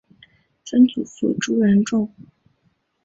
曾祖父朱仁仲。